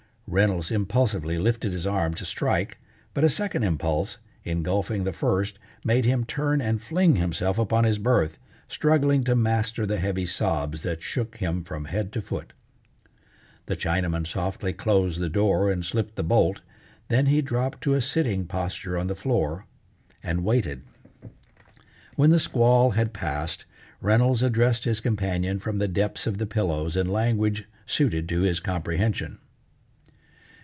Reynolds impulsively lifted his arm to strike, but a second impulse, engulfing the first, made him turn and fling himself upon his berth, struggling to master the heavy sobs that shook him from head to foot. The Chinaman softly closed the door and slipped the bolt, then he dropped to a sitting posture on the floor and waited. When the squall had passed, Reynolds addressed his companion from the depths of the pillows in language suited to his comprehension.